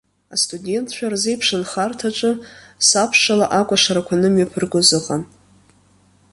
Астудентцәа рзеиԥшнхарҭаҿы сабшала акәашарақәа анымҩаԥыргоз ыҟан.